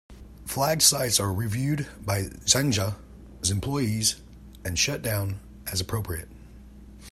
Flagged sites are reviewed by Xanga's employees and shut down as appropriate.